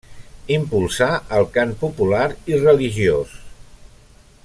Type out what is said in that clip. Impulsà el cant popular i religiós.